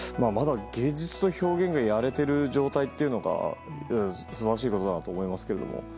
まだ芸術と表現をやれている状態というのが素晴らしいことだなと思いますけれども。